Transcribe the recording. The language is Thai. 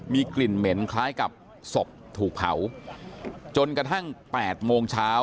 มีกลิ่นเหม็นคล้ายกับศพถูกเผาจนกระทั่ง๘โมงเช้า